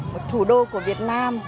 một thủ đô của việt nam